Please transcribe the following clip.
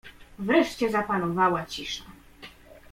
"Wreszcie zapanowała cisza."